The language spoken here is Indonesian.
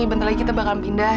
bentar lagi kita bakal pindah